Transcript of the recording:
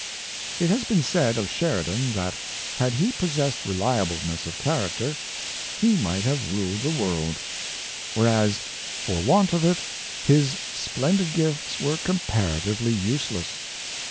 It has been said of Sheridan that, had he possessed reliableness of character, he might have ruled the world; whereas, for want of it, his splendid gifts were compar atively useless.